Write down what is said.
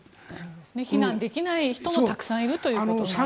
避難できない人もたくさんいるということですよね。